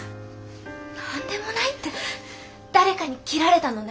何でもないって誰かに切られたのね？